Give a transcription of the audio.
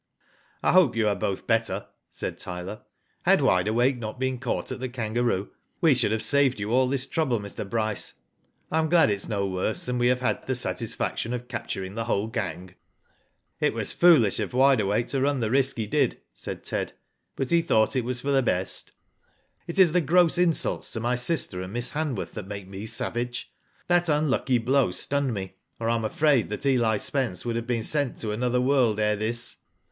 " I hope you are both better," said Tyler, " Had Wide Awake not been caught at the * Kangaroo,' we should have saved you all this trouble, Mr. Bryce. I am glad it is no worse, and we have had the satisfaction of capturing the whole gang." It was foolish of Wide Awake to run the risk he did," said Ted; "but he thought it was for the Digitized byGoogk TPVO BRAVE GIRLS, 179 best. It IS the gross insults to my sister and Miss Hanworth that make me savage. That unlucky blow stunned me, or I am afraid that Eli Spence would have been sent to another world ere this."